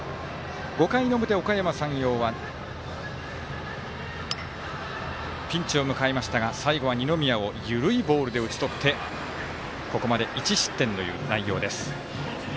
５回の表、おかやま山陽はピンチを迎えましたが最後は二宮を緩いボールで打ち取ってここまで１失点という内容です。